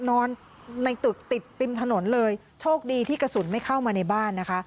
นอนในตึกติดปริมถนนเลยโชคดีที่กระสุนไม่เข้ามาในบ้านนะคะ